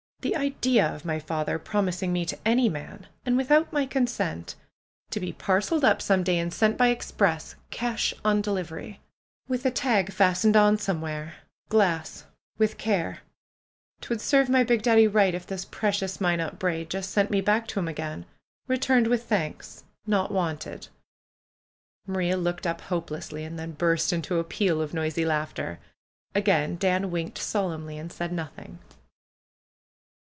^^The idea of my father promising me to any man! And without my consent ! To be parceled up some day and sent by express, cash on delivery, with a tag fas tened on somewhere, ^Glass — With Care' ! 'T would serve my big Daddy right if this precious Minot Braid Just sent me back to him again — ^Returned with Thanks— Not Wanted' !" Maria looked up hopelessly, and then burst into a peal of noisy laughter. Again Dan winked solemnly, and said nothing.